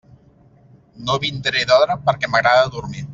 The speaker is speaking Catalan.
No vindré d'hora perquè m'agrada dormir.